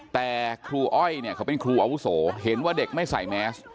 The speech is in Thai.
แต่ครูอ้อยเนี่ยเขาเป็นครูอาวุโสเห็นว่าเด็กไม่ใส่แมส